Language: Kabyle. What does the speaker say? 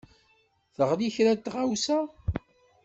Teɣli kra n tɣewsa.